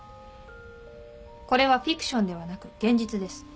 これはフィクションではなく現実です。